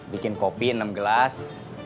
bikin kopi enam gelas